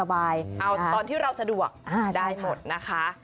เอาตอนที่เราสะดวกได้หมดนะคะ